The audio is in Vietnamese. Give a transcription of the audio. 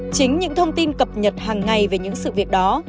chính những thông tin cập nhật hàng ngày về những sự việc đó